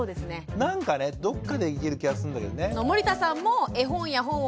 どっかでいける気がするんだけどね。